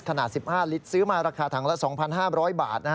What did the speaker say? ขนาด๑๕ลิตรซื้อมาราคาถังละ๒๕๐๐บาท